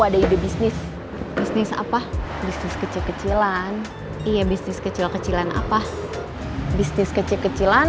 ada ide bisnis bisnis apa bisnis kecil kecilan iya bisnis kecil kecilan apa bisnis kecil kecilan